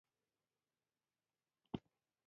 ټولنو دروني شرایطو تطبیق اسانه شي.